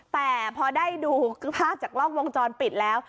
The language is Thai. แต่พอได้ดูภาพจากกล้องวงจรปิดแล้ว